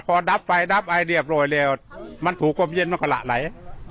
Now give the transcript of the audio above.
พอดับไฟดับไอเลี่ยบหาละไหล